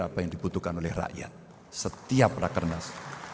apa yang dibutuhkan oleh rakyat setiap rakernas